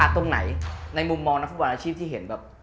ตรงไหนในมุมมองนักฟุตบอลอาชีพที่เห็นแบบ